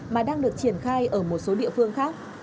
mà đang được triển khai ở một số địa phương khác